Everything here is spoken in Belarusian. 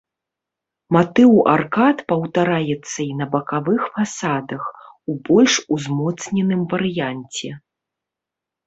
Матыў аркад паўтараецца і на бакавых фасадах, у больш узмоцненым варыянце.